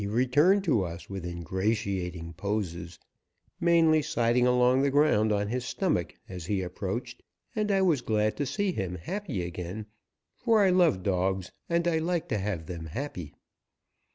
He returned to us with ingratiating poses, mainly sliding along the ground on his stomach as he approached, and I was glad to see him happy again, for I love dogs and I like to have them happy.